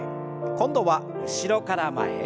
今度は後ろから前へ。